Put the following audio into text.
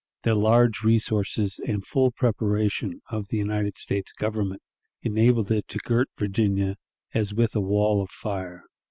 The large resources and full preparation of the United States Government enabled it to girt Virginia as with a wall of fire.